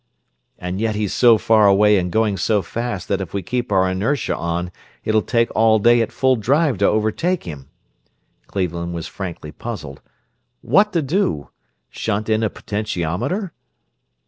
"And yet he's so far away and going so fast that if we keep our inertia on it'll take all day at full drive to overtake him." Cleveland was frankly puzzled. "What to do? Shunt in a potentiometer?"